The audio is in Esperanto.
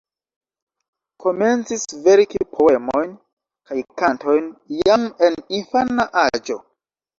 Komencis verki poemojn kaj kantojn jam en infana aĝo.